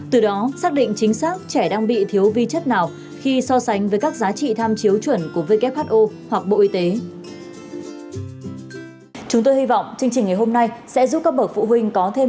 từ đó xác định chính xác trẻ đang bị thiếu vi chất nào khi so sánh với các giá trị tham chiếu chuẩn của who hoặc bộ y tế